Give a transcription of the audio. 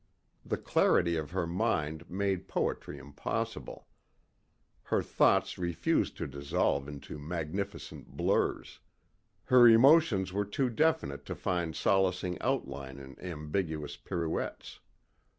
The clarity of her mind made poetry impossible. Her thoughts refused to dissolve into magnificent blurs. Her emotions were too definite to find solacing outline in ambiguous pirouettes.